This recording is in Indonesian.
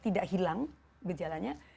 tidak hilang gejalanya